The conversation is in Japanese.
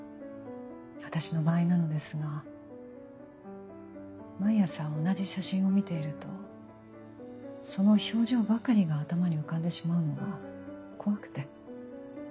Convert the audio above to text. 私の場合なのですが毎朝同じ写真を見ているとその表情ばかりが頭に浮かんでしまうのが怖くて。